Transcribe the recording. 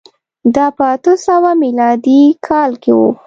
دا په اتو سوه میلادي کال کې و